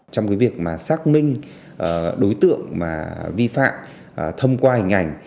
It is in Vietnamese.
trong cái việc mà xác minh đối tượng mà vi phạm thông qua hình ảnh